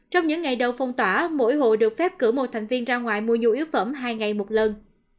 trong những ngày đầu phong tỏa mỗi hộ được phép cử một thành viên ra ngoài mua nhu yếu phẩm hai ngày một lần